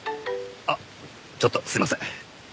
あっちょっとすみません。